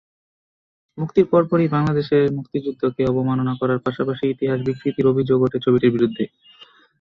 মুক্তির পরপরই বাংলাদেশের মুক্তিযুদ্ধকে অবমাননা করার পাশাপাশি ইতিহাস বিকৃতির অভিযোগ ওঠে ছবিটির বিরুদ্ধে।